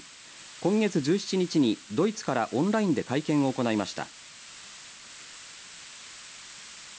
今月１７日にドイツからオンラインで会見を行いました。